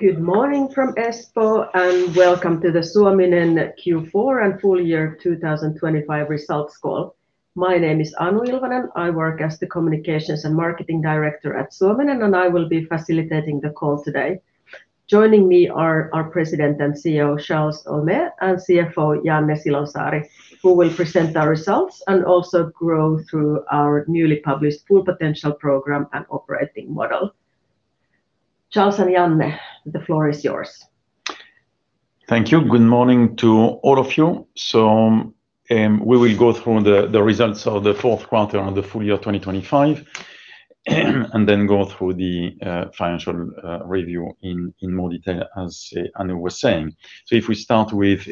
Good morning from Espoo, and welcome to the Suominen Q4 and full year 2025 results call. My name is Anu Heinonen. I work as the Communications and Marketing Director at Suominen, and I will be facilitating the call today. Joining me are our President and CEO, Charles Héaulmé, and CFO, Janne Silonsaari, who will present our results and also go through our newly published Full Potential program and operating model. Charles and Janne, the floor is yours. Thank you. Good morning to all of you. So, we will go through the results of the fourth quarter and the full year 2025, and then go through the financial review in more detail, as Anu was saying. So if we start with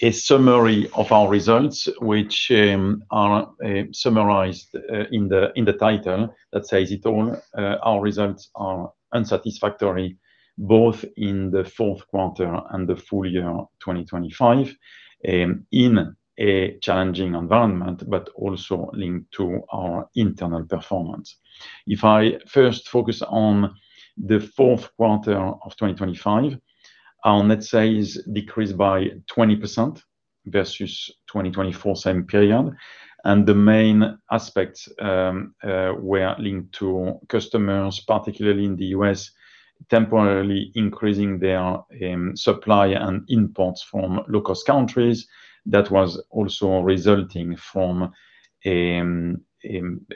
a summary of our results, which are summarized in the title, that says it all. Our results are unsatisfactory, both in the fourth quarter and the full year 2025, in a challenging environment, but also linked to our internal performance. If I first focus on the fourth quarter of 2025, our net sales decreased by 20% versus 2024 same period, and the main aspects were linked to customers, particularly in the U.S., temporarily increasing their supply and imports from low-cost countries. That was also resulting from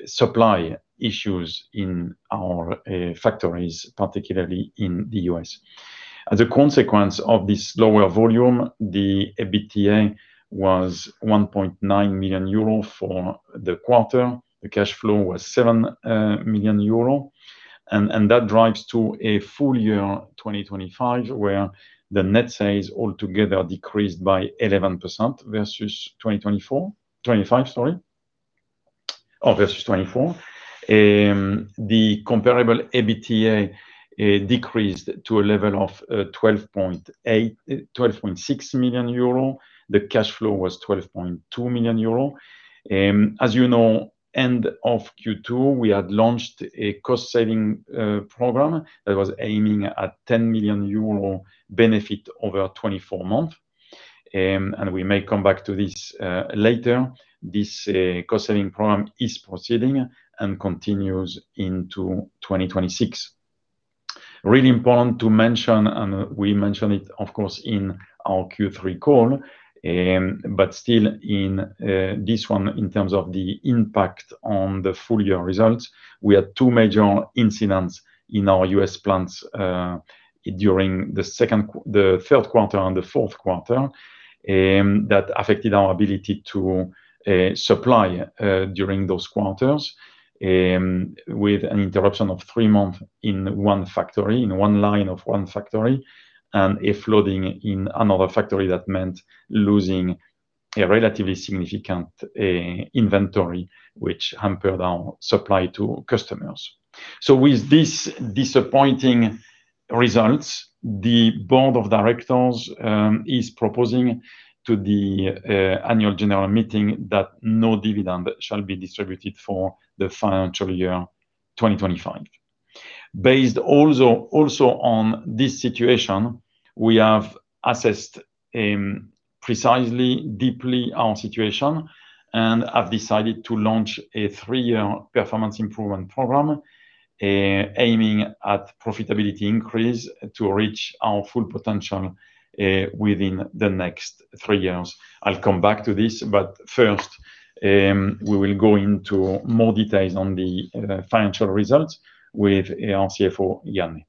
supply issues in our factories, particularly in the U.S.. As a consequence of this lower volume, the EBITDA was 1.9 million euro for the quarter. The cash flow was 7 million euro, and that drives to a full year 2025, where the net sales altogether decreased by 11% versus 2024, 2025, sorry versus 2024. The comparable EBITDA decreased to a level of twelve point six million euro. The cash flow was 12.2 million euro. As you know, end of Q2, we had launched a cost-saving program that was aiming at 10 million euro benefit over 24 month. And we may come back to this later. This cost-saving program is proceeding and continues into 2026. Really important to mention, and we mentioned it, of course, in our Q3 call, but still in this one, in terms of the impact on the full year results, we had two major incidents in our U.S. plants, during the third quarter and the fourth quarter, that affected our ability to supply during those quarters. With an interruption of three months in one factory, in one line of one factory, and a flooding in another factory, that meant losing a relatively significant inventory, which hampered our supply to customers. So with these disappointing results, the Board of Directors is proposing to the Annual General Meeting that no dividend shall be distributed for the financial year 2025. Based also on this situation, we have assessed precisely, deeply our situation and have decided to launch a three-year performance improvement program aiming at profitability increase to reach our full potential within the next three years. I'll come back to this, but first, we will go into more details on the financial results with our CFO, Janne.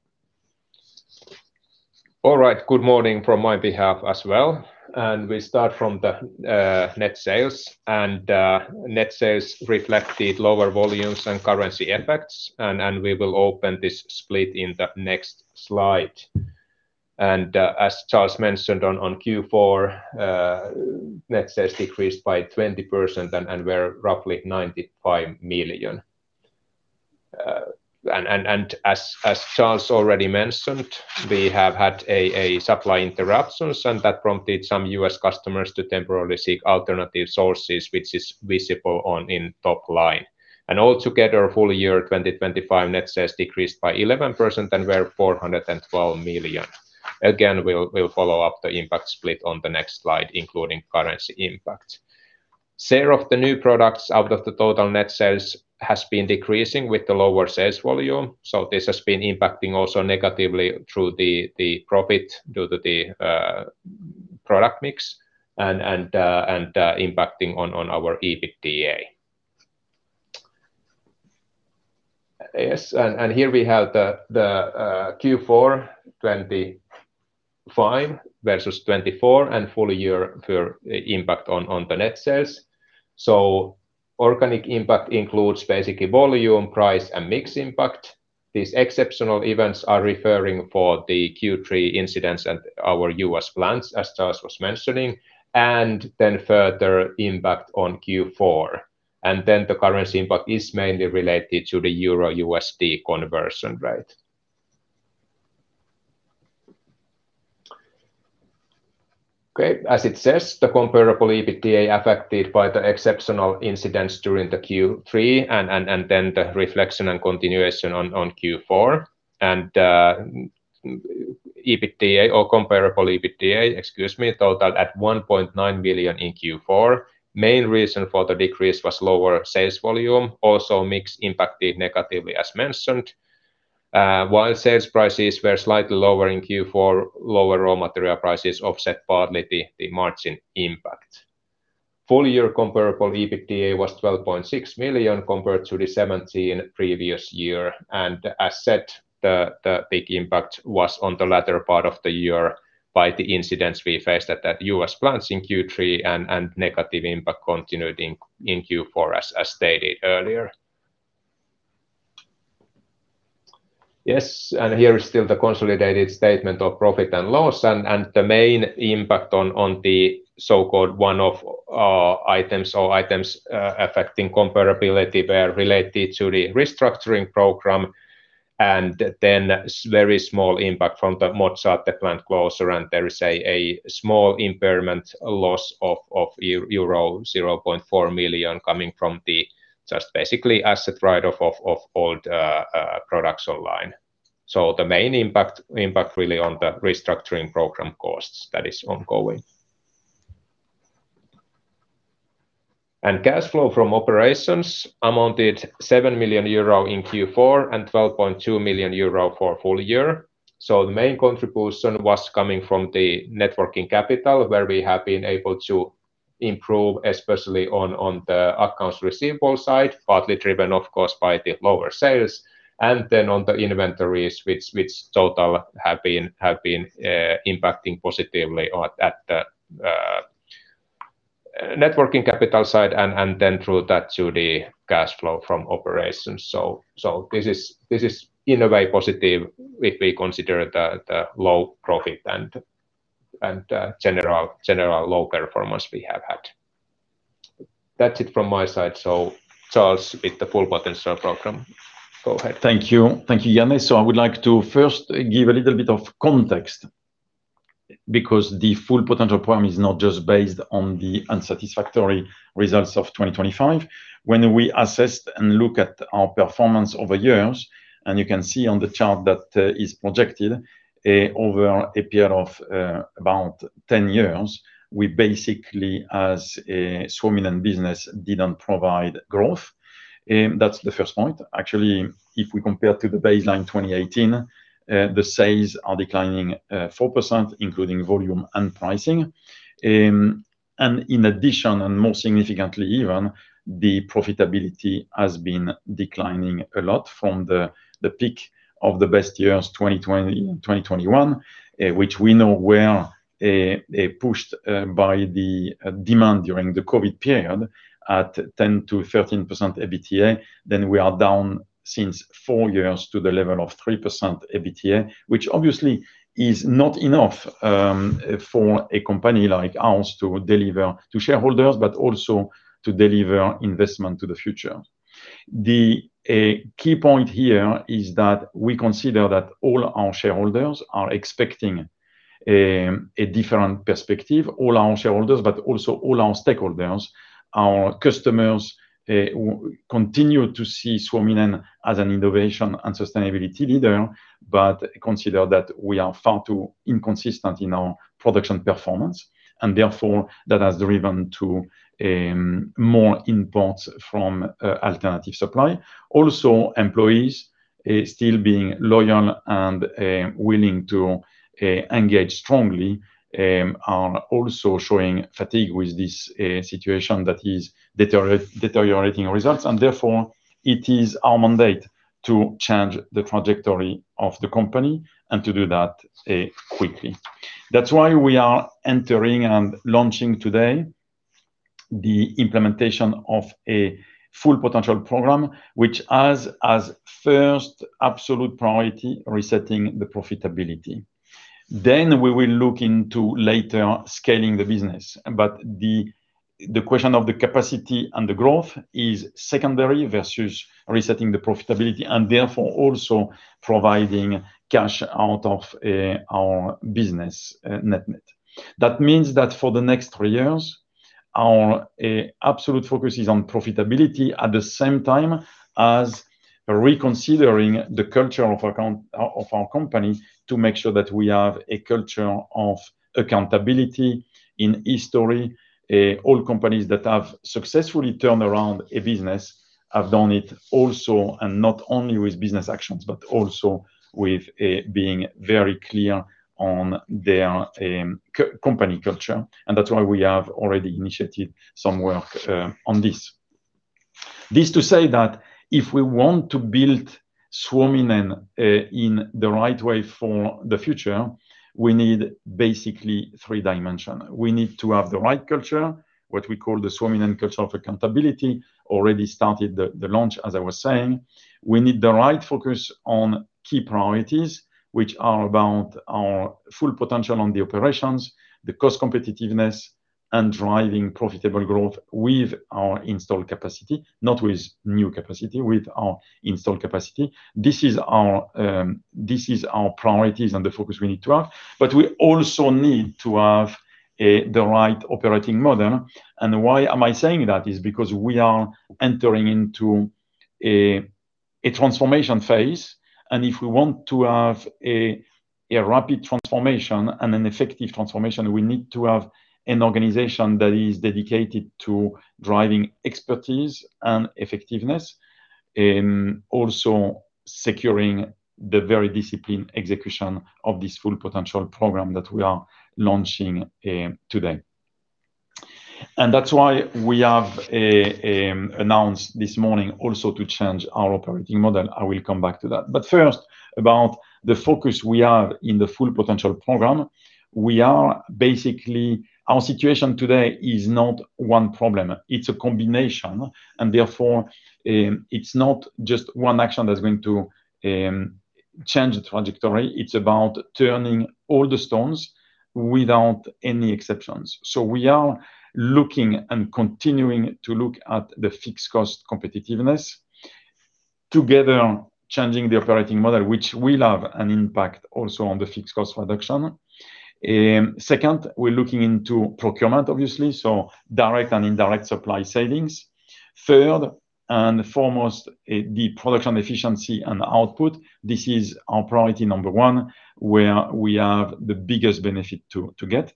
All right. Good morning from my behalf as well, and we start from the net sales. Net sales reflected lower volumes and currency effects, and we will open this split in the next slide. As Charles mentioned on Q4, net sales decreased by 20% and were roughly 95 million. As Charles already mentioned, we have had a supply interruptions, and that prompted some U.S. customers to temporarily seek alternative sources, which is visible in the top line. Altogether, full year 2025 net sales decreased by 11% and were 412 million. Again, we'll follow up the impact split on the next slide, including currency impact. Share of the new products out of the total net sales has been decreasing with the lower sales volume, so this has been impacting also negatively through the profit due to the product mix and impacting on our EBITDA. Yes, and here we have the Q4 2025 versus 2024 and full year 2024 impact on the net sales. So organic impact includes basically volume, price, and mix impact. These exceptional events refer to the Q3 incidents at our U.S. plants, as Charles was mentioning, and then further impact on Q4. And then the currency impact is mainly related to the euro/USD conversion rate. Okay, as it says, the comparable EBITDA affected by the exceptional incidents during the Q3, and then the reflection and continuation on Q4. Comparable EBITDA, excuse me, total at 1.9 million in Q4. Main reason for the decrease was lower sales volume. Also, mix impacted negatively, as mentioned. While sales prices were slightly lower in Q4, lower raw material prices offset partly the margin impact. Full year comparable EBITDA was 12.6 million, compared to 17 million previous year, and as said, the big impact was on the latter part of the year by the incidents we faced at the U.S. plants in Q3, and negative impact continued in Q4 as stated earlier. Yes, and here is still the consolidated statement of profit and loss. And the main impact on the so-called one-off items or items affecting comparability were related to the restructuring program, and then a very small impact from the Mozzate plant closure. There is a small impairment loss of euro 0.4 million coming from just basically asset write-off of old product line. So the main impact really on the restructuring program costs that is ongoing. Cash flow from operations amounted to 7 million euro in Q4 and 12.2 million euro for full year. So the main contribution was coming from the net working capital, where we have been able to improve, especially on the accounts receivable side, partly driven, of course, by the lower sales, and then on the inventories, which total have been impacting positively at the net working capital side and then through that to the cash flow from operations. This is in a way positive if we consider the low profit and general low performance we have had. That's it from my side. So Charles, with the Full Potential Program, go ahead. Thank you. Thank you, Janne. So I would like to first give a little bit of context, because the Full Potential Program is not just based on the unsatisfactory results of 2025. When we assess and look at our performance over years, and you can see on the chart that is projected over a period of about 10 years, we basically as a Suominen business, didn't provide growth. That's the first point. Actually, if we compare to the baseline 2018, the sales are declining 4%, including volume and pricing. And in addition, and more significantly even, the profitability has been declining a lot from the peak of the best years, 2020, 2021, which we know were pushed by the demand during the COVID period at 10%-13% EBITDA. We are down since four years to the level of 3% EBITDA, which obviously is not enough for a company like ours to deliver to shareholders, but also to deliver investment to the future. The key point here is that we consider that all our shareholders are expecting a different perspective. All our shareholders, but also all our stakeholders. Our customers continue to see Suominen as an innovation and sustainability leader, but consider that we are far too inconsistent in our production performance, and therefore, that has driven to more imports from alternative supply. Also, employees still being loyal and willing to engage strongly are also showing fatigue with this situation that is deteriorating results. Therefore, it is our mandate to change the trajectory of the company and to do that quickly. That's why we are entering and launching today the implementation of a Full Potential Program, which has as first absolute priority, resetting the profitability. Then we will look into later scaling the business. But the question of the capacity and the growth is secondary versus resetting the profitability and therefore also providing cash out of our business, net net. That means that for the next three years, our absolute focus is on profitability, at the same time as reconsidering the culture of accountability of our company, to make sure that we have a culture of accountability. In history, all companies that have successfully turned around a business have done it also, and not only with business actions, but also with being very clear on their company culture. And that's why we have already initiated some work on this. This to say that if we want to build Suominen in the right way for the future, we need basically three dimension. We need to have the right culture, what we call the Suominen culture of accountability. Already started the launch, as I was saying. We need the right focus on key priorities, which are about our full potential on the operations, the cost competitiveness, and driving profitable growth with our installed capacity, not with new capacity, with our installed capacity. This is our, this is our priorities and the focus we need to have. But we also need to have the right operating model. And why am I saying that? It's because we are entering into a transformation phase, and if we want to have a rapid transformation and an effective transformation, we need to have an organization that is dedicated to driving expertise and effectiveness, also securing the very disciplined execution of this Full Potential program that we are launching, today. And that's why we have announced this morning also to change our operating model. I will come back to that. But first, about the focus we have in the Full Potential program. We are basically our situation today is not one problem, it's a combination, and therefore, it's not just one action that's going to change the trajectory, it's about turning all the stones without any exceptions. So we are looking and continuing to look at the fixed cost competitiveness, together, changing the operating model, which will have an impact also on the fixed cost reduction. Second, we're looking into procurement, obviously, so direct and indirect supply savings. Third and foremost, the production efficiency and output. This is our priority number 1, where we have the biggest benefit to get.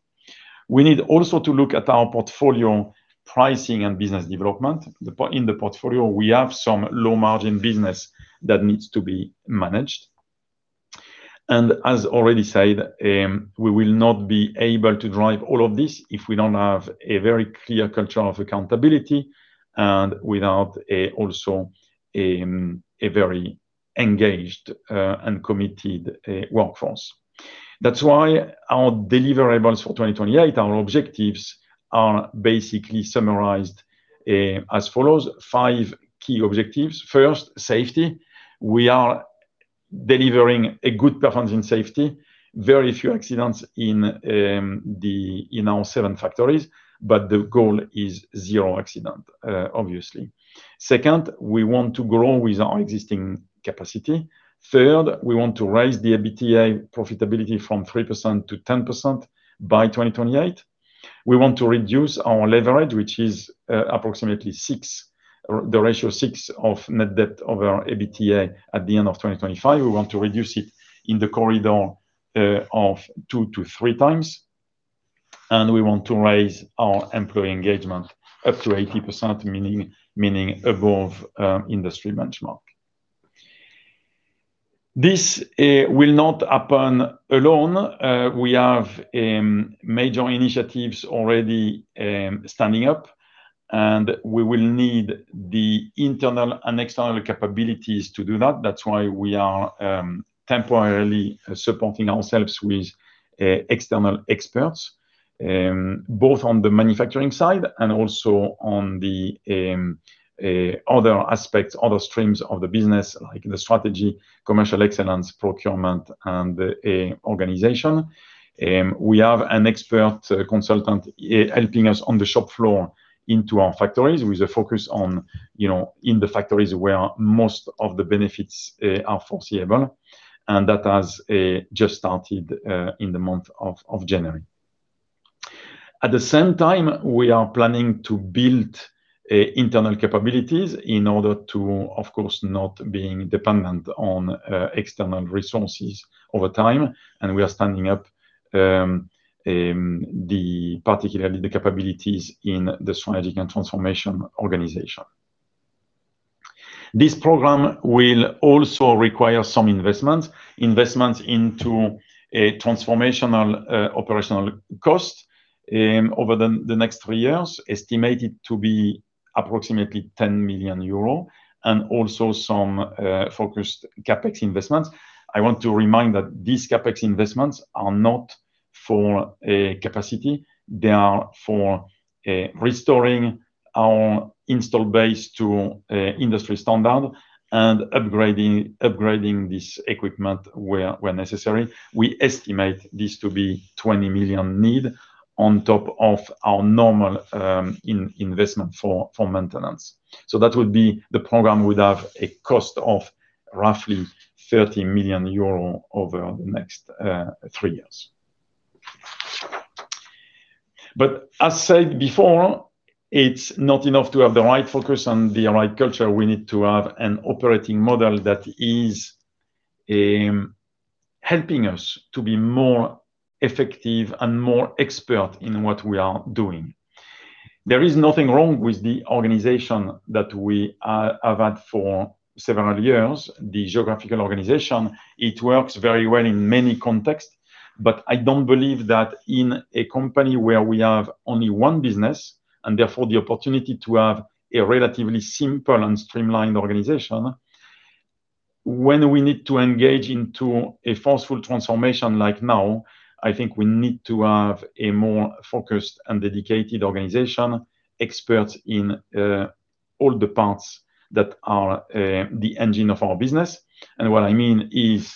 We need also to look at our portfolio pricing and business development. The point in the portfolio, we have some low-margin business that needs to be managed. And as already said, we will not be able to drive all of this if we don't have a very clear culture of accountability, and without also a very engaged and committed workforce. That's why our deliverables for 2028, our objectives are basically summarized as follows: 5 key objectives. First, safety. We are delivering a good performance in safety. Very few accidents in our 7 factories, but the goal is 0 accident, obviously. Second, we want to grow with our existing capacity. Third, we want to raise the EBITDA profitability from 3% to 10% by 2028. We want to reduce our leverage, which is approximately 6 or the ratio 6 of net debt over our EBITDA at the end of 2025. We want to reduce it in the corridor of 2-3 times, and we want to raise our employee engagement up to 80%, meaning above industry benchmark. This will not happen alone. We have major initiatives already standing up, and we will need the internal and external capabilities to do that. That's why we are temporarily supporting ourselves with external experts, both on the manufacturing side and also on the other aspects, other streams of the business, like the strategy, commercial excellence, procurement, and the organization. We have an expert consultant helping us on the shop floor into our factories, with a focus on, you know, in the factories where most of the benefits are foreseeable, and that has just started in the month of January. At the same time, we are planning to build internal capabilities in order to, of course, not being dependent on external resources over time, and we are standing up particularly the capabilities in the strategic and transformation organization. This program will also require some investment. Investment into a transformational operational cost over the next 3 years, estimated to be approximately 10 million euro, and also some focused CapEx investments. I want to remind that these CapEx investments are not for a capacity, they are for restoring our installed base to industry standard and upgrading this equipment where necessary. We estimate this to be 20 million needed, on top of our normal investment for maintenance. So that would be the program would have a cost of roughly 30 million euro over the next 3 years. But as said before, it's not enough to have the right focus and the right culture. We need to have an operating model that is helping us to be more effective and more expert in what we are doing. There is nothing wrong with the organization that we have had for several years, the geographical organization. It works very well in many contexts, but I don't believe that in a company where we have only one business, and therefore the opportunity to have a relatively simple and streamlined organization, when we need to engage into a forceful transformation like now, I think we need to have a more focused and dedicated organization, experts in all the parts that are the engine of our business. And what I mean is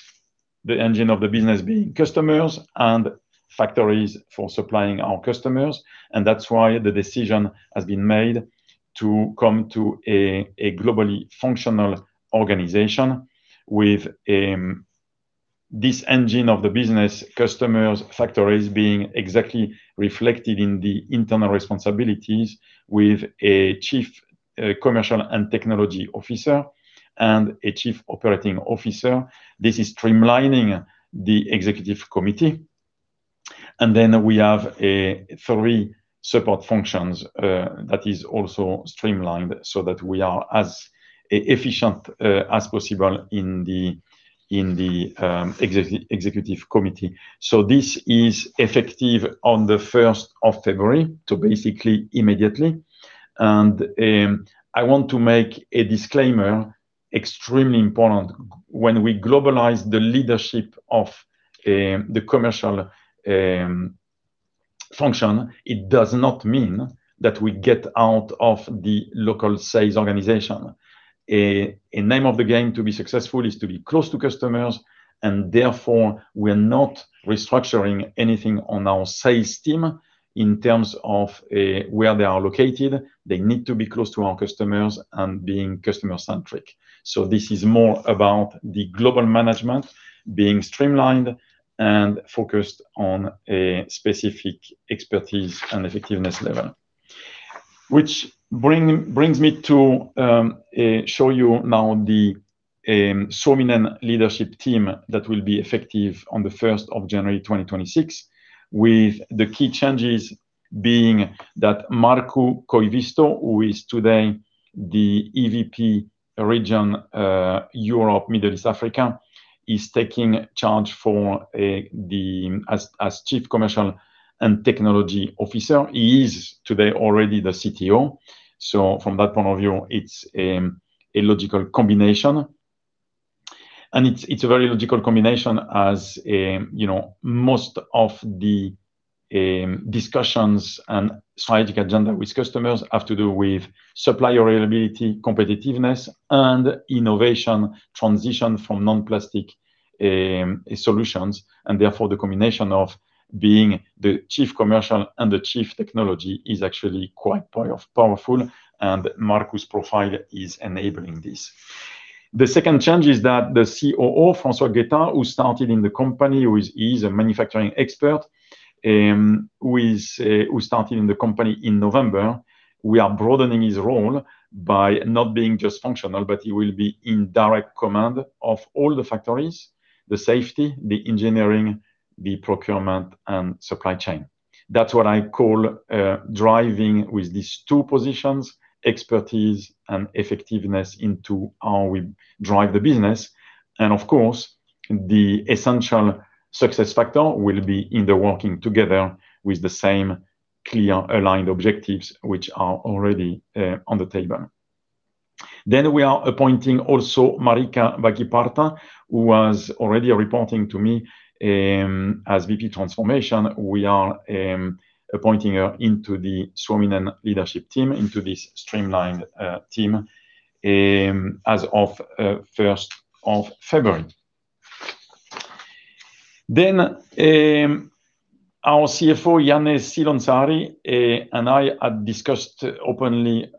the engine of the business being customers and factories for supplying our customers, and that's why the decision has been made to come to a globally functional organization with this engine of the business, customers, factories, being exactly reflected in the internal responsibilities with a Chief Commercial and Technology Officer, and a Chief Operating Officer. This is streamlining the Executive Committee. Then we have three support functions that is also streamlined so that we are as efficient as possible in the Executive Committee. So this is effective on the 1st of February, so basically immediately. I want to make a disclaimer extremely important: when we globalize the leadership of the commercial function, it does not mean that we get out of the local sales organization. The name of the game to be successful is to be close to customers, and therefore we're not restructuring anything on our sales team in terms of where they are located. They need to be close to our customers and being customer-centric. So this is more about the global management being streamlined and focused on a specific expertise and effectiveness level. Which brings me to show you now the Suominen leadership team that will be effective on the 1st of January, 2026, with the key changes being that Markku Koivisto, who is today the EVP Region Europe, Middle East, Africa, is taking charge for as Chief Commercial and Technology Officer. He is today already the CTO, so from that point of view, it's a logical combination. It's a very logical combination as, you know, most of the discussions and strategic agenda with customers have to do with supplier reliability, competitiveness, and innovation transition from non-plastic solutions, and therefore, the combination of being the chief commercial and the chief technology is actually quite powerful, and Markku's profile is enabling this. The second change is that the COO, Francois Guetat, who started in the company, who is a manufacturing expert, who started in the company in November, we are broadening his role by not being just functional, but he will be in direct command of all the factories, the safety, the engineering, the procurement, and supply chain. That's what I call driving with these two positions, expertise and effectiveness, into how we drive the business. Of course, the essential success factor will be in the working together with the same clear, aligned objectives, which are already on the table. Then we are appointing also Marika Väkiparta, who was already reporting to me, as VP Transformation. We are appointing her into the Suominen leadership team, into this streamlined team, as of 1st of February. Then our CFO, Janne Silonsaari, and I had discussed openly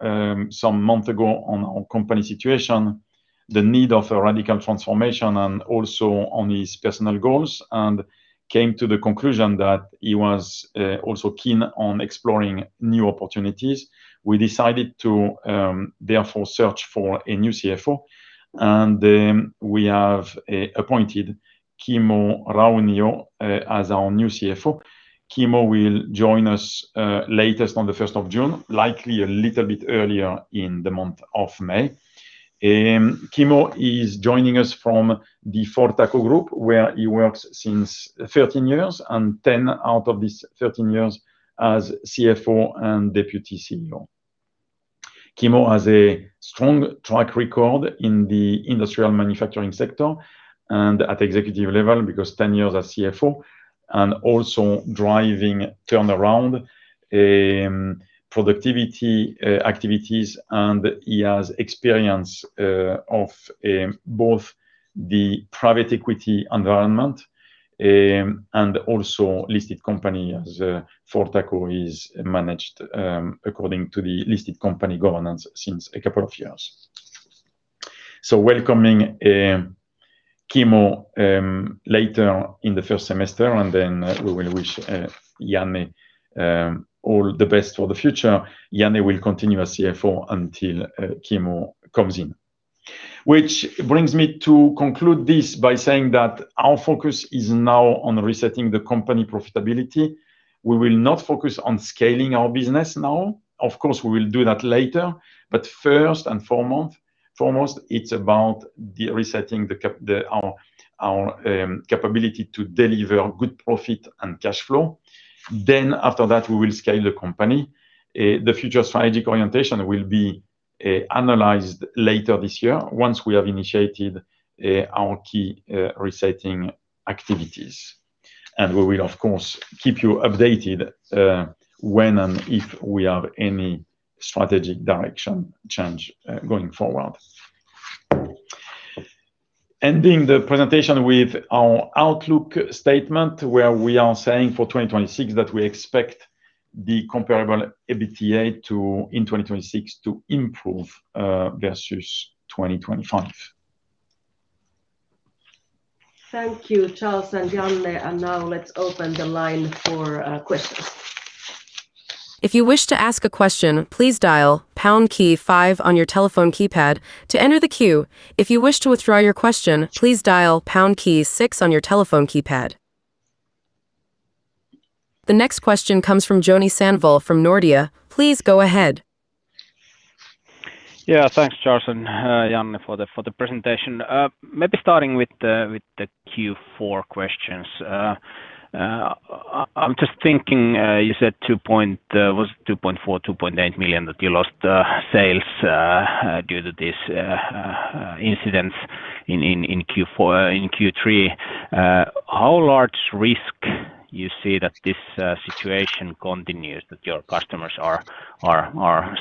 some month ago on our company situation, the need of a radical transformation and also on his personal goals, and came to the conclusion that he was also keen on exploring new opportunities. We decided to therefore search for a new CFO, and we have appointed Kimmo Raunio as our new CFO. Kimmo will join us, latest on the 1st of June, likely a little bit earlier in the month of May. Kimmo is joining us from the Fortaco Group, where he works since 13 years, and 10 out of these 13 years as CFO and Deputy CEO. Kimmo has a strong track record in the industrial manufacturing sector and at executive level, because 10 years as CFO, and also driving turnaround, productivity, activities, and he has experience of both the private equity environment, and also listed company, as Fortaco is managed, according to the listed company governance since a couple of years. So welcoming Kimmo later in the first semester, and then we will wish Janne all the best for the future. Janne will continue as CFO until Kimmo comes in. Which brings me to conclude this by saying that our focus is now on resetting the company profitability. We will not focus on scaling our business now. Of course, we will do that later, but first and foremost, it's about resetting our capability to deliver good profit and cash flow. Then after that, we will scale the company. The future strategic orientation will be analyzed later this year, once we have initiated our key resetting activities. And we will, of course, keep you updated when and if we have any strategic direction change going forward. Ending the presentation with our outlook statement, where we are saying for 2026 that we expect the comparable EBITDA to, in 2026, improve versus 2025. Thank you, Charles and Janne, and now let's open the line for questions. If you wish to ask a question, please dial pound key five on your telephone keypad to enter the queue. If you wish to withdraw your question, please dial pound key six on your telephone keypad. The next question comes from Joni Sandvall from Nordea. Please go ahead. Yeah, thanks, Charles and, Janne, for the presentation. Maybe starting with the Q4 questions. I'm just thinking, you said 2.4, was it 2.4, 2.8 million that you lost sales due to this incidents in Q4, in Q3. How large risk you see that this situation continues, that your customers are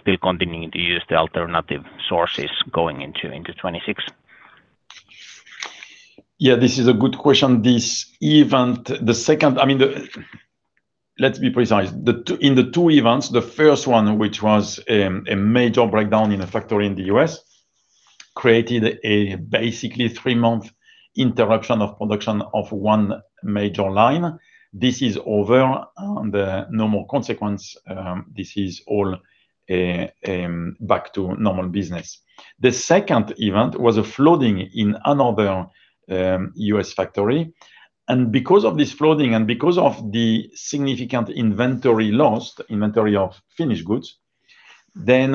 still continuing to use the alternative sources going into 2026? Yeah, this is a good question. This event, the second—I mean, the. Let's be precise. The two—in the two events, the first one, which was a major breakdown in a factory in the U.S., created a basically three-month interruption of production of one major line. This is over, the normal consequence, this is all back to normal business. The second event was a flooding in another U.S. factory, and because of this flooding, and because of the significant inventory lost, inventory of finished goods, then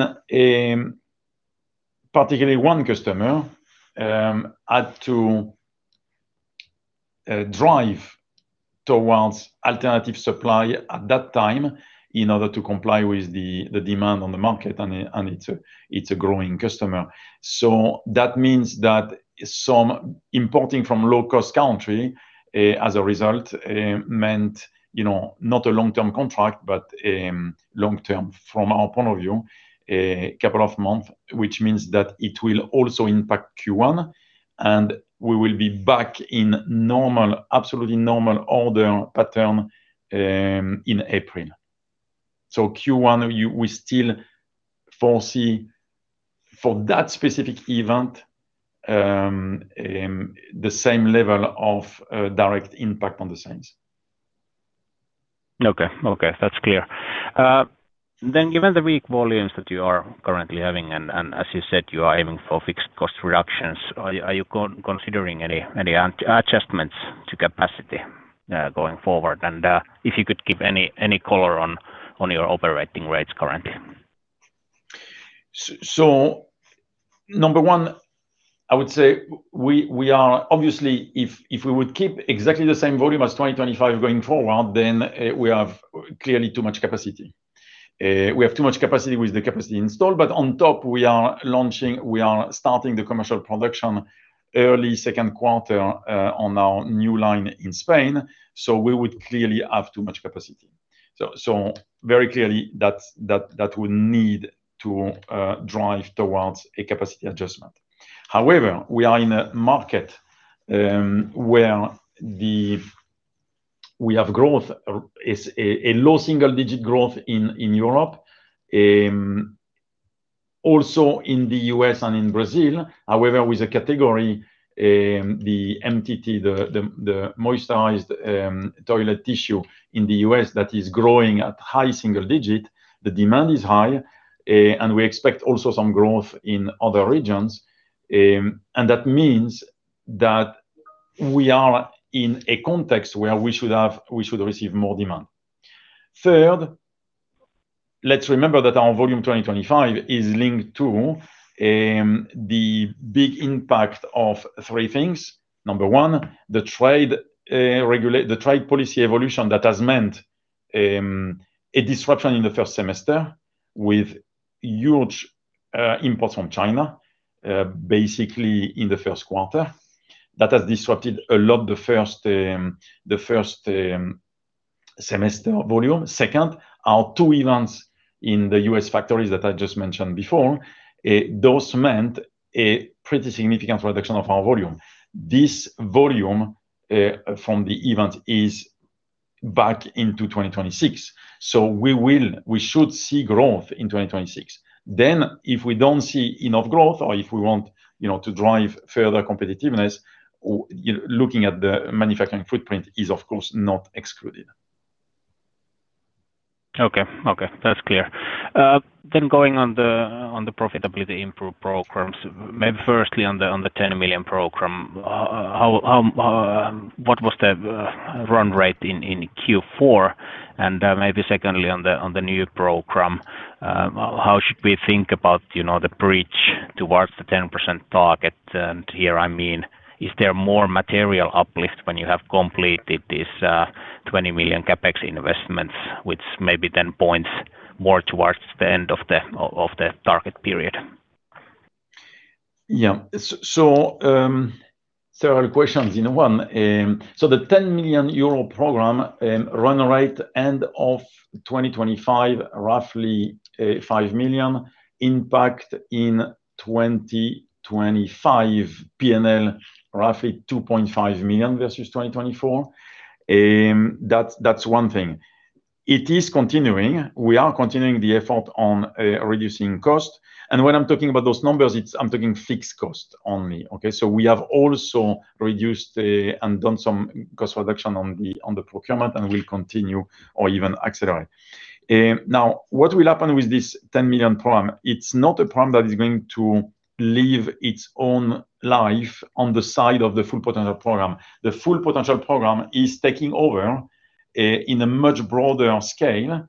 particularly one customer had to drive towards alternative supply at that time in order to comply with the demand on the market, and it, and it's a growing customer. So that means that some importing from low-cost country, as a result, meant, you know, not a long-term contract, but, long term from our point of view, a couple of months, which means that it will also impact Q1, and we will be back in normal, absolutely normal order pattern, in April. So Q1, we still foresee for that specific event, the same level of, direct impact on the sales. Okay. Okay, that's clear. Then, given the weak volumes that you are currently having, and as you said, you are aiming for fixed cost reductions, are you considering any adjustments to capacity, going forward? And if you could give any color on your operating rates currently? So number one, I would say we are, obviously, if we would keep exactly the same volume as 2025 going forward, then we have clearly too much capacity. We have too much capacity with the capacity installed, but on top, we are launching, we are starting the commercial production early second quarter on our new line in Spain, so we would clearly have too much capacity. So very clearly, that would need to drive towards a capacity adjustment. However, we are in a market where we have growth, a low single-digit growth in Europe, also in the U.S. and in Brazil. However, with a category, the MTT, the moisturized toilet tissue in the U.S. that is growing at high single digit, the demand is high, and we expect also some growth in other regions. And that means that we are in a context where we should receive more demand. Third, let's remember that our volume 2025 is linked to the big impact of three things. Number one, the trade regulation, the trade policy evolution that has meant a disruption in the first semester with huge imports from China, basically in the first quarter. That has disrupted a lot, the first semester volume. Second, our two events in the U.S. factories that I just mentioned before, those meant a pretty significant reduction of our volume. This volume from the event is back into 2026, so we should see growth in 2026. Then if we don't see enough growth or if we want, you know, to drive further competitiveness, you know, looking at the manufacturing footprint is, of course, not excluded. Okay. Okay, that's clear. Then going on the, on the profitability improve programs, maybe firstly on the, on the 10 million program, how, what was the, run rate in, in Q4? And, maybe secondly, on the, on the new program, how should we think about, you know, the bridge towards the 10% target? And here, I mean, is there more material uplift when you have completed these, 20 million CapEx investments, which maybe then points more towards the end of the, of, the target period? Yeah. So, several questions in one. So the 10 million euro program, run rate end of 2025, roughly, 5 million impact in 2025 PNL, roughly 2.5 million versus 2024. That's, that's one thing. It is continuing. We are continuing the effort on reducing cost, and when I'm talking about those numbers, it's. I'm talking fixed cost only, okay? So we have also reduced the and done some cost reduction on the, on the procurement, and we'll continue or even accelerate. Now, what will happen with this 10 million program? It's not a program that is going to live its own life on the side of the Full Potential program. The Full Potential program is taking over, in a much broader scale,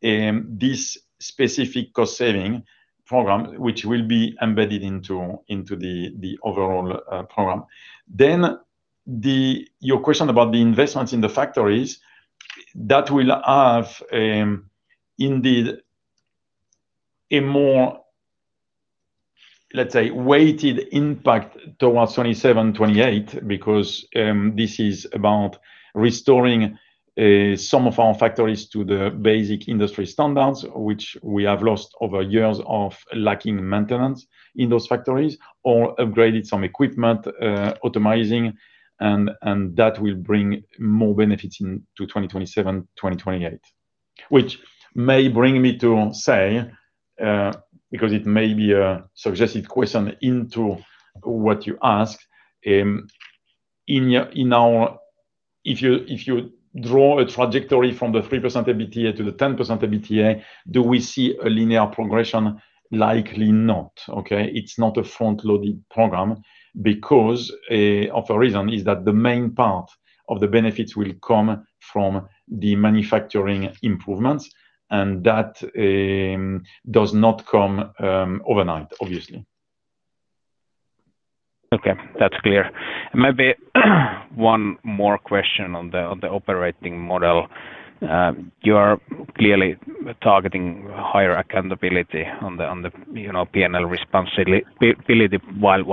this specific cost-saving program, which will be embedded into the overall program. Then your question about the investments in the factories, that will have, indeed a more, let's say, weighted impact towards 2027, 2028, because, this is about restoring some of our factories to the basic industry standards, which we have lost over years of lacking maintenance in those factories, or upgrading some equipment, automating, and that will bring more benefits into 2027, 2028. Which may bring me to say, because it may be a suggestive question into what you ask, in your—in our—if you, if you draw a trajectory from the 3% EBITDA to the 10% EBITDA, do we see a linear progression? Likely not. Okay? It's not a front-loading program because of the reason is that the main part of the benefits will come from the manufacturing improvements, and that does not come overnight, obviously. Okay, that's clear. Maybe one more question on the operating model. You are clearly targeting higher accountability on the, you know, PNL responsibility, while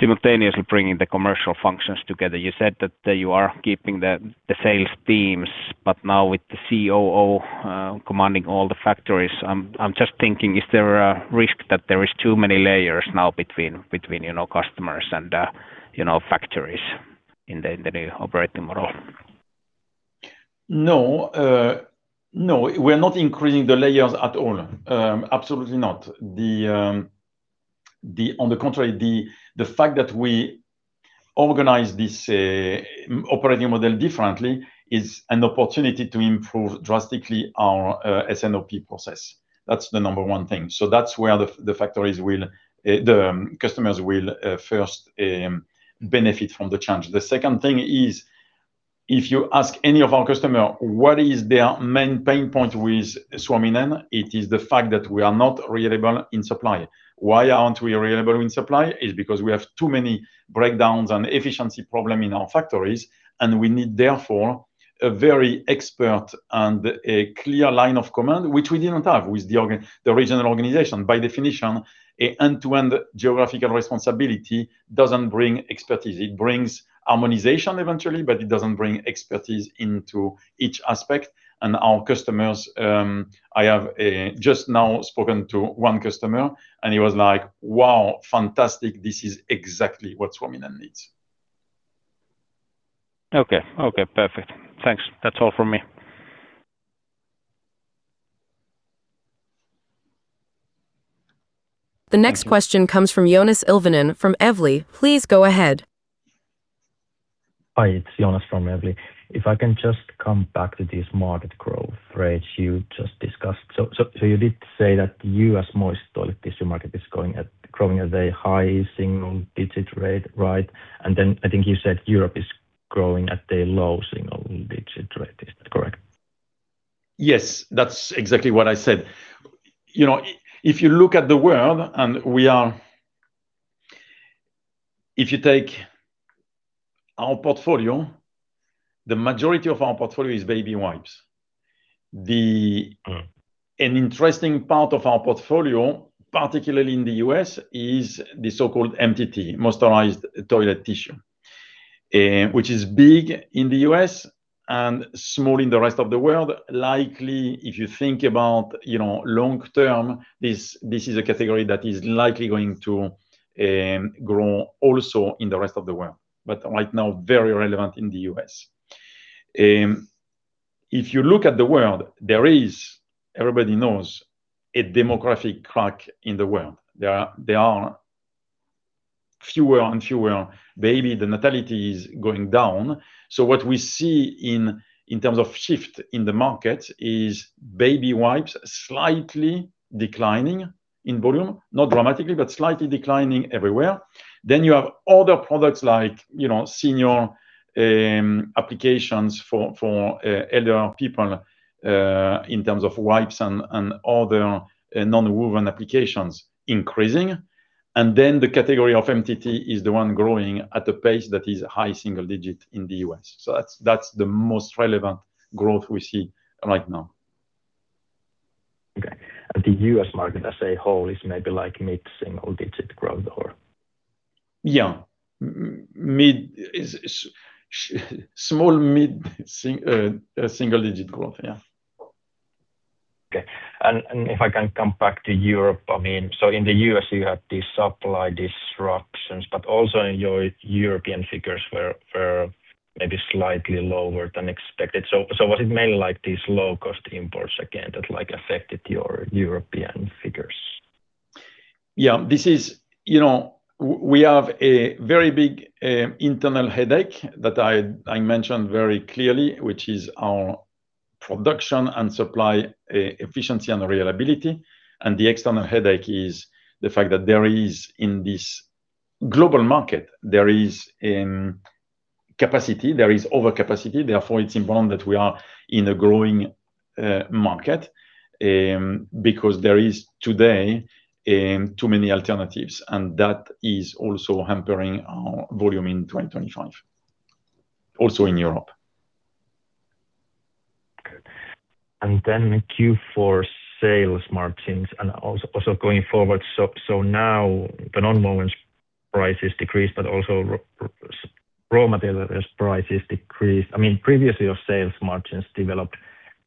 simultaneously bringing the commercial functions together. You said that you are keeping the sales teams, but now with the COO commanding all the factories, I'm just thinking, is there a risk that there is too many layers now between, you know, customers and, you know, factories in the new operating model? No. No, we're not increasing the layers at all. Absolutely not. On the contrary, the fact that we organize this operating model differently is an opportunity to improve drastically our S&OP process. That's the number one thing. So that's where the factories will, the customers will first benefit from the change. The second thing is, if you ask any of our customer what is their main pain point with Suominen, it is the fact that we are not reliable in supply. Why aren't we reliable in supply? Is because we have too many breakdowns and efficiency problem in our factories, and we need, therefore, a very expert and a clear line of command, which we didn't have with the original organization. By definition, an end-to-end geographical responsibility doesn't bring expertise. It brings harmonization eventually, but it doesn't bring expertise into each aspect. And our customers, I have just now spoken to one customer, and he was like, "Wow, fantastic! This is exactly what Suominen needs. Okay. Okay, perfect. Thanks. That's all from me. The next question comes from Joonas Ilvonen from Evli. Please go ahead. Hi, it's Joonas from Evli. If I can just come back to this market growth rate you just discussed. So you did say that U.S. moist toilet tissue market is growing at a high single digit rate, right? And then I think you said Europe is growing at a low single digit rate. Is that correct? Yes, that's exactly what I said. You know, if you look at the world, if you take our portfolio, the majority of our portfolio is baby wipes. An interesting part of our portfolio, particularly in the U.S., is the so-called MTT, moisturized toilet tissue, which is big in the U.S. and small in the rest of the world. Likely, if you think about, you know, long-term, this is a category that is likely going to grow also in the rest of the world, but right now, very relevant in the U.S.. If you look at the world, there is, everybody knows, a demographic crack in the world. There are fewer and fewer baby. The nativity is going down. So what we see in terms of shift in the market is baby wipes slightly declining in volume. Not dramatically, but slightly declining everywhere. Then you have other products like, you know, senior applications for elder people in terms of wipes and other nonwoven applications increasing. And then the category of MTT is the one growing at a pace that is high single digit in the U.S.. So that's, that's the most relevant growth we see right now. Okay, and the U.S. market as a whole is maybe like mid-single digit growth or? Yeah. Mid is small, mid-single digit growth. Yeah. Okay. And if I can come back to Europe, I mean, so in the U.S., you had these supply disruptions, but also in your European figures were maybe slightly lower than expected. So was it mainly like these low-cost imports again, that, like, affected your European figures? Yeah, this is... You know, we have a very big internal headache that I mentioned very clearly, which is our production and supply efficiency and reliability. And the external headache is the fact that there is, in this global market, there is capacity, there is overcapacity. Therefore, it's important that we are in a growing market, because there is today too many alternatives, and that is also hampering our volume in 2025, also in Europe. Okay. Then Q4 sales margins and also going forward. So now the nonwovens prices decreased, but also raw materials prices decreased. I mean, previously, your sales margins developed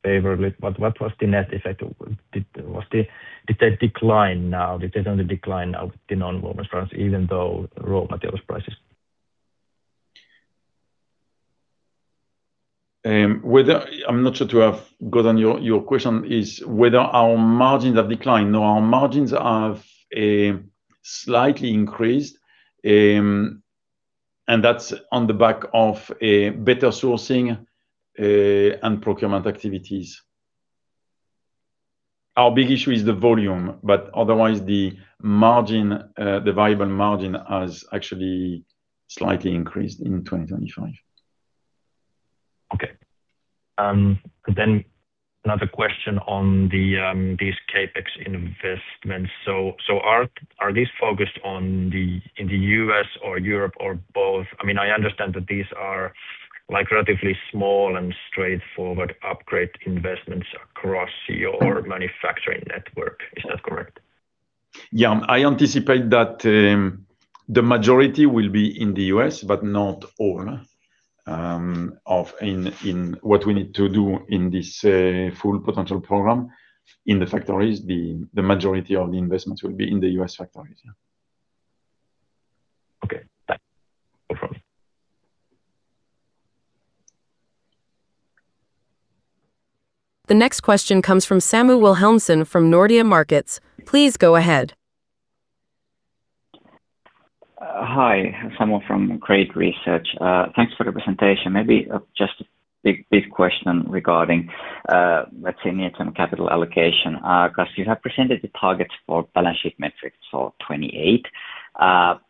favorably, but what was the net effect? Did they decline now? Did they only decline now with the nonwovens price, even though raw materials prices? I'm not sure to have got on your question, is whether our margins have declined? No, our margins have slightly increased. And that's on the back of a better sourcing and procurement activities. Our big issue is the volume, but otherwise, the margin, the variable margin has actually slightly increased in 2025. Okay. Then another question on these CapEx investments. So are these focused on the U.S. or Europe or both? I mean, I understand that these are, like, relatively small and straightforward upgrade investments across your manufacturing network. Is that correct? Yeah. I anticipate that the majority will be in the U.S., but not all of what we need to do in this Full Potential program. In the factories, the majority of the investments will be in the U.S. factories, yeah. Okay, bye. No problem. The next question comes from Samu Wilhelmsson from Nordea Markets. Please go ahead. Hi, Samu from Nordea. Thanks for the presentation. Maybe just a big, big question regarding, let's say, near-term capital allocation. 'Cause you have presented the targets for balance sheet metrics for 2028.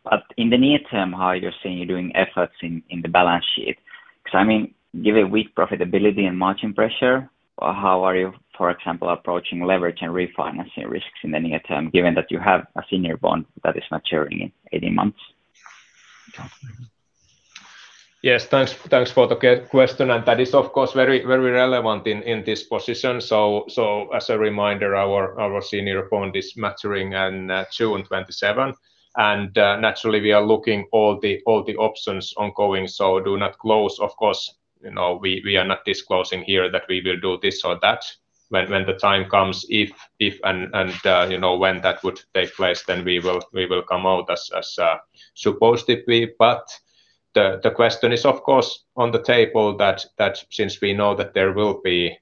But in the near term, how you're seeing you doing efforts in the balance sheet? 'Cause, I mean, given weak profitability and margin pressure, how are you, for example, approaching leverage and refinancing risks in the near term, given that you have a senior bond that is maturing in 18 months? Yes, thanks, thanks for the question, and that is, of course, very, very relevant in this position. So, as a reminder, our senior bond is maturing in June 2027. And, naturally, we are looking all the options ongoing, so do not close. Of course, you know, we are not disclosing here that we will do this or that. When the time comes, if, and, you know, when that would take place, then we will come out as supposedly. But the question is, of course, on the table that since we know that there will be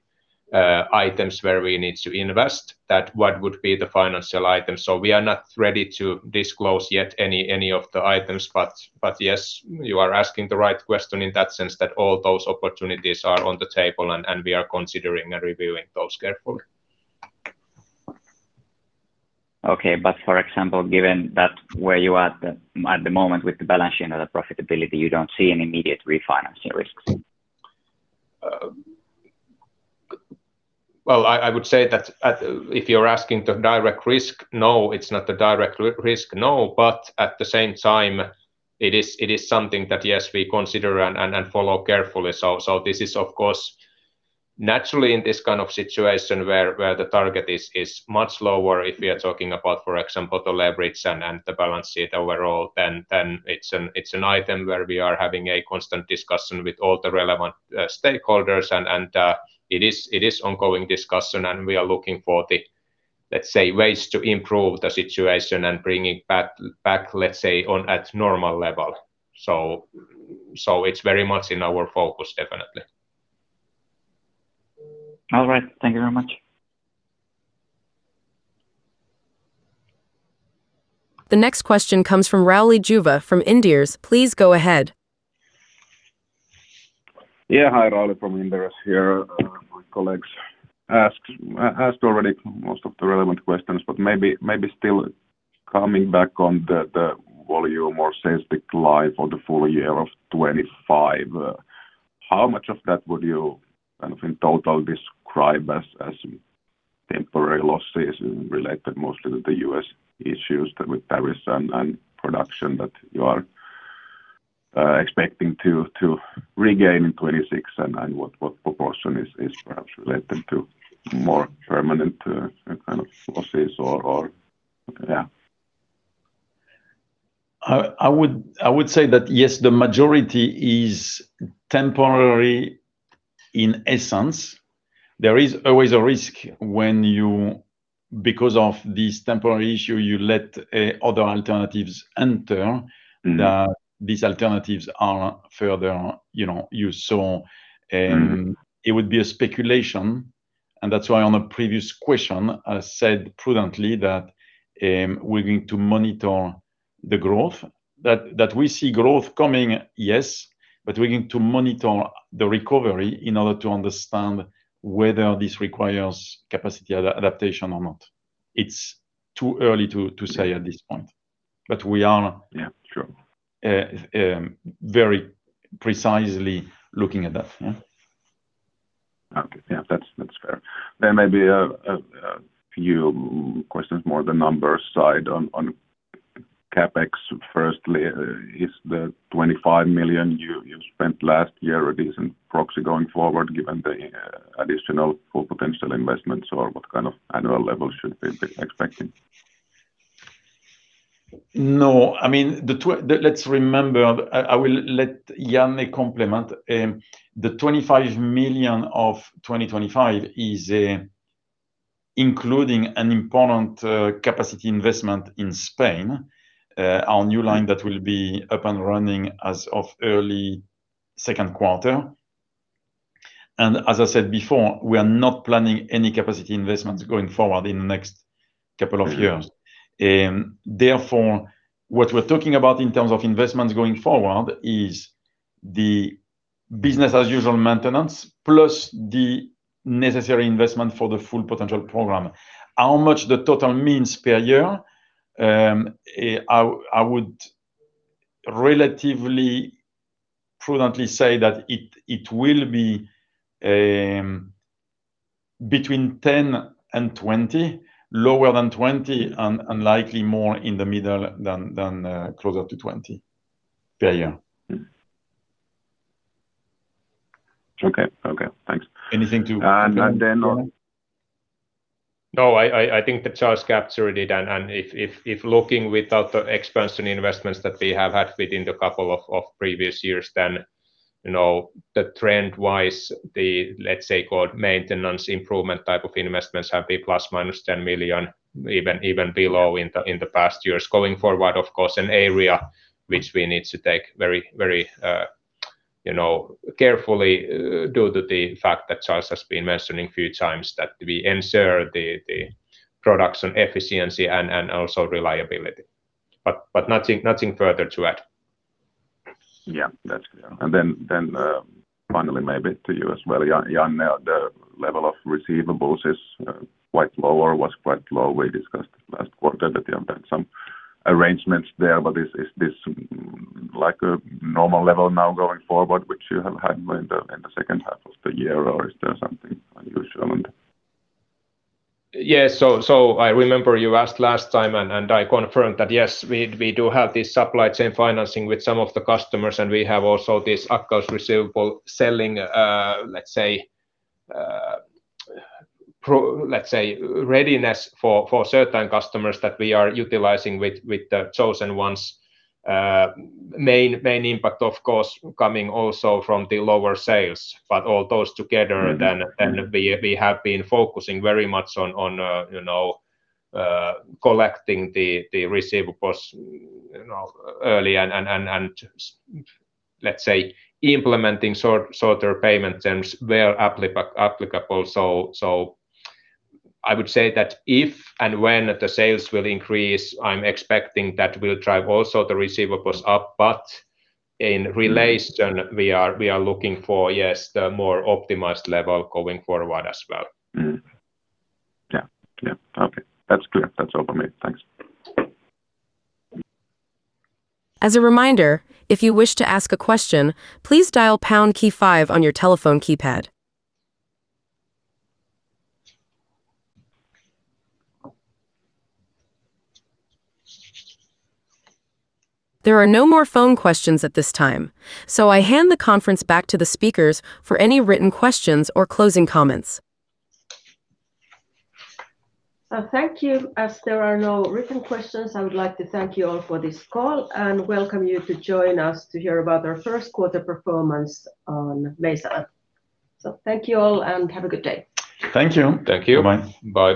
items where we need to invest, that what would be the financial items? We are not ready to disclose yet any of the items, but yes, you are asking the right question in that sense, that all those opportunities are on the table, and we are considering and reviewing those carefully. Okay. But for example, given that where you are at the moment with the balance sheet and the profitability, you don't see any immediate refinancing risks? Well, I would say that if you're asking the direct risk, no, it's not a direct risk, no. But at the same time, it is something that, yes, we consider and follow carefully. So, this is, of course, naturally in this kind of situation where the target is much lower if we are talking about, for example, the leverage and the balance sheet overall, then it's an item where we are having a constant discussion with all the relevant stakeholders. And it is ongoing discussion, and we are looking for the, let's say, ways to improve the situation and bringing back, let's say, on at normal level. So, it's very much in our focus, definitely. All right. Thank you very much. The next question comes from Rauli Juva from Inderes. Please go ahead. Yeah. Hi, Rauli from Inderes here. My colleagues asked already most of the relevant questions, but maybe still coming back on the volume or sales decline for the full year of 2025. How much of that would you kind of in total describe as temporary losses related mostly to the U.S. issues with Paris and production that you are expecting to regain in 2026, and what proportion is perhaps related to more permanent kind of losses or, yeah? I would say that, yes, the majority is temporary in essence. There is always a risk when you, because of this temporary issue, you let other alternatives enter- Mm-hmm. -that these alternatives are further, you know, used. So, Mm-hmm. It would be a speculation, and that's why on a previous question, I said prudently that we're going to monitor the growth. That we see growth coming, yes, but we're going to monitor the recovery in order to understand whether this requires capacity or adaptation or not. It's too early to say at this point, but we are- Yeah, sure ... very precisely looking at that. Yeah. Okay. Yeah, that's, that's fair. There may be a few questions, more the numbers side on CapEx. Firstly, is the 25 million you spent last year a decent proxy going forward, given the additional full potential investments, or what kind of annual level should we be expecting? No, I mean, let's remember, I will let Janne comment. The 25 million of 2025 is including an important capacity investment in Spain. Our new line that will be up and running as of early second quarter. And as I said before, we are not planning any capacity investments going forward in the next couple of years. Therefore, what we're talking about in terms of investments going forward is the business as usual maintenance, plus the necessary investment for the Full Potential program. How much the total means per year, I would relatively prudently say that it will be between 10 million and 20 million, lower than 20 million, and unlikely more in the middle than closer to 20 million, per year. Mm-hmm. Okay. Okay, thanks. Anything to add then on? No, I think that Charles captured it, and if looking without the expansion investments that we have had within the couple of previous years, then, you know, the trend-wise, the let's say, called maintenance improvement type of investments, have been ±10 million, even below in the past years. Going forward, of course, an area which we need to take very, very, you know, carefully, due to the fact that Charles has been mentioning a few times, that we ensure the production efficiency and also reliability. But nothing further to add. Yeah, that's clear. And then, finally, maybe to you as well, Janne, the level of receivables is quite lower. Was quite low. We discussed last quarter that you've done some arrangements there, but is this like a normal level now going forward, which you have had in the second half of the year, or is there something unusual? Yes, so I remember you asked last time, and I confirmed that, yes, we do have this supply chain financing with some of the customers, and we have also this accounts receivable selling, let's say, readiness for certain customers that we are utilizing with the chosen ones. Main impact, of course, coming also from the lower sales, but all those together. Mm-hmm Then we have been focusing very much on, you know, collecting the receivables, you know, early and, let's say, implementing shorter payment terms where applicable. So, I would say that if and when the sales will increase, I'm expecting that will drive also the receivables up, but in relation we are, we are looking for, yes, the more optimized level going forward as well. Mm-hmm. Yeah. Yeah. Okay, that's clear. That's all for me. Thanks. As a reminder, if you wish to ask a question, please dial pound key five on your telephone keypad. There are no more phone questions at this time, so I hand the conference back to the speakers for any written questions or closing comments. Thank you. As there are no written questions, I would like to thank you all for this call, and welcome you to join us to hear about our first quarter performance on Mesa. Thank you all, and have a good day. Thank you. Thank you. Bye-bye. Bye.